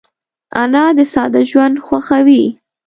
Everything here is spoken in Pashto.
انا د ساده ژوند خوښوي